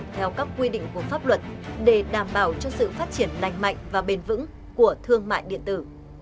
theo các quy định của pháp luật để đảm bảo cho sự phát triển nành mạnh và bền vững của thương mại điện tử